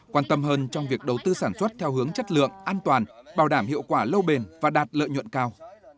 quan tâm hơn trong việc đầu tư sản xuất theo hướng chất lượng an toàn bảo đảm hiệu quả lâu bền và đạt lợi nhuận cao